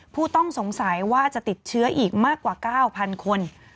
ผู้ต้องสงสัยว่าจะติดเชื้ออีกมากกว่า๙๐๐คน